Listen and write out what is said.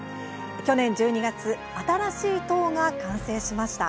去年１２月新しい塔が完成しました。